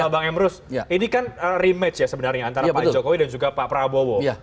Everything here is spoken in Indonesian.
bang emrus ini kan rematch ya sebenarnya antara pak jokowi dan juga pak prabowo